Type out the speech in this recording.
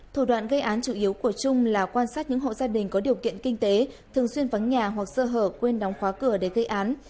thủ đoạn gây án chủ yếu của trung là quan sát những hộ gia đình có điều kiện kinh tế thường xuyên vắng nhà hoặc sơ hở quên đóng khóa cửa để gây án